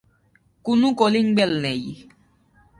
কোনো calling bell নেই।